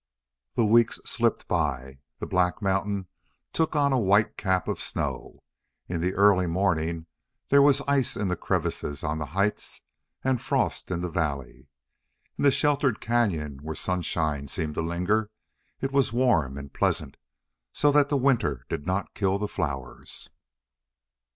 The weeks slipped by. The black mountain took on a white cap of snow; in the early mornings there was ice in the crevices on the heights and frost in the valley. In the sheltered cañon where sunshine seemed to linger it was warm and pleasant, so that winter did not kill the flowers.